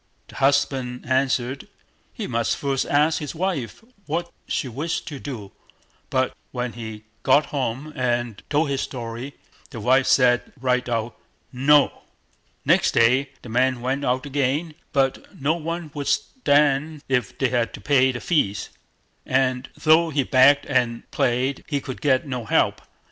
The husband answered, he must first ask his wife what she wished to do; but when he got home and told his story, the wife said, right out, "No!" Next day the man went out again, but no one would stand if they had to pay the fees; and though he begged and prayed, he could get no help.